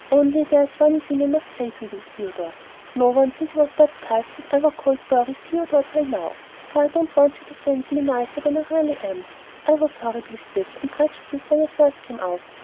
Only there's one thing I must say to you, Theodore [no one since he was baptized had ever called Dorry 'Theodore' till now!], for I don't want you to fancy me nicer than I really am. I was horribly stiff and prejudiced when I first came out.